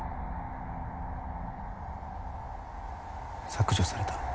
削除されたの？